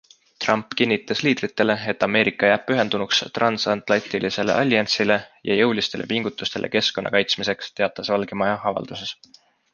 Trump kinnitas liidritele, et Ameerika jääb pühendunuks transatlantilisele alliansile ja jõulistele pingutustele keskkonna kaitsmiseks, teatas Valge Maja avalduses.